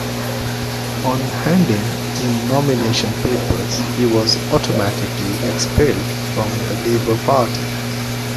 On handing in nomination papers he was automatically expelled from the Labour Party.